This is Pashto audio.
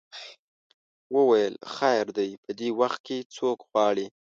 وویل خیر دی په دې وخت کې څوک غواړې.